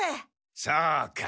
そうか。